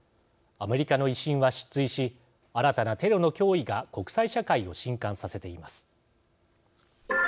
アメリカの威信は失墜し新たなテロの脅威が国際社会をしんかんさせています。